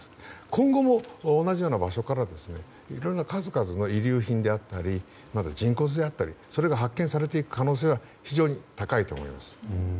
今後も同じような場所からいろんな数々の遺留品であったり人骨であったりそれが発見されていく可能性は非常に高いと思います。